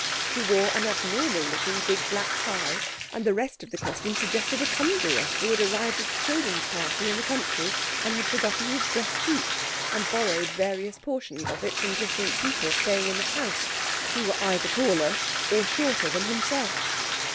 He wore an abnormal looking big black tie, and the rest of the costume suggested a conjurer who had arrived at a children's party in the country and had forgotten his dress suit, and borrowed various portions of it from different people staying in the house, who were either taller or shorter than himself.